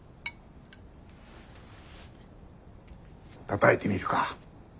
たたいてみるか？